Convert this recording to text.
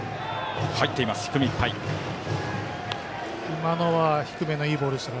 今のは低めのいいボールでした。